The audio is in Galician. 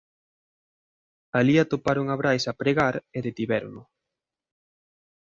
Alí atoparon a Brais a pregar e detivérono.